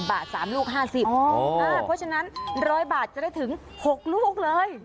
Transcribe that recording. อาจจะได้ถึง๖ลูกเลย